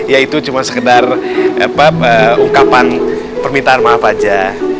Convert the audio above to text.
ya itu cuma sekedar ungkapan permintaan maaf aja